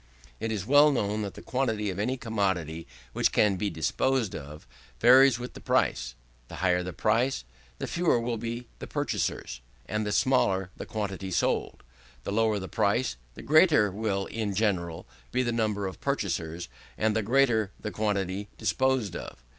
It is well known that the quantity of any commodity which can be disposed of, varies with the price. The higher the price, the fewer will be the purchasers, and the smaller the quantity sold. The lower the price, the greater will in general be the number of purchasers, and the greater the quantity disposed of.